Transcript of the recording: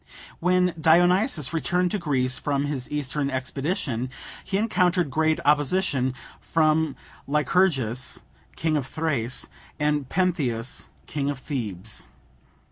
When Dionysus returned to Greece from his Eastern expedition, he encountered great opposition from Lycurgus, king of Thrace, and Pentheus, king of Thebes.